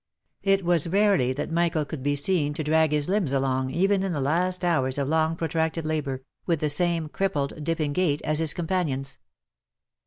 It was rarely that Michael could be seen to drag his limbs along, even in the last hours of long protracted labour, with the same crippled, dipping gait as his companions.